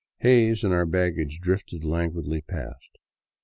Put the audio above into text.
Hays and our baggage drifted languidly past.